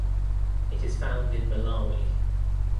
It is found in Malawi.